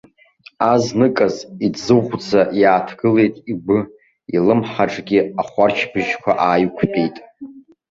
Азныказ иӡыӷәӡа иааҭгылеит игәы, илымҳаҿгьы ахәарчбыжьқәа ааиқәтәеит.